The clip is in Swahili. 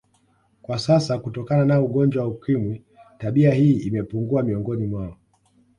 Kwa sasa kutokana na ugonjwa wa ukimwi tabia hii imepungua miongoni mwao